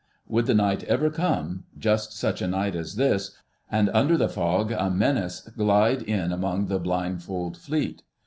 Would the night ever come—just such a night as this—and under the fog a Menace glide in among the blindfold Fleet?